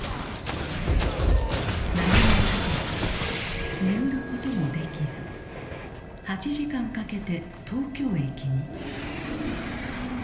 何も食べず眠ることもできず８時間かけて東京駅に。